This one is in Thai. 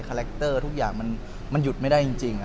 แรคเตอร์ทุกอย่างมันหยุดไม่ได้จริง